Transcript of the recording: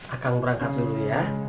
akang berangkat dulu ya